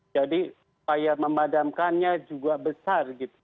jadi upaya memadamkannya juga besar gitu